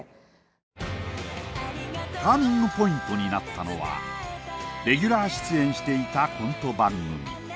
ターニングポイントになったのはレギュラー出演していたコント番組。